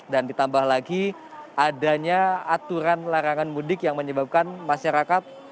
dan ditambah lagi adanya aturan larangan mudik yang menyebabkan masyarakat